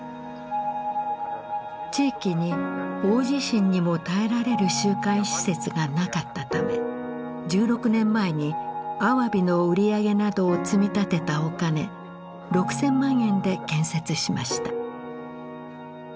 地域に大地震にも耐えられる集会施設がなかったため１６年前にアワビの売り上げなどを積み立てたお金６，０００万円で建設しました。